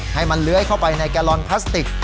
ให้มันเลื้อยเข้าไปในแกลลอนพลาสติก